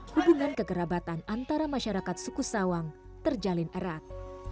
hubungan kekerabatan antara masyarakat suku sawang terjalin erat